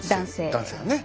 男性だね。